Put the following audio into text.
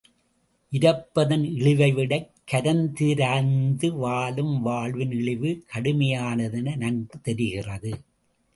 இரப்பதன் இழிவைவிடக்கரந்திரந்து வாழும் வாழ்வின் இழிவு கடுமையானதென நன்கு தெரிகிறது.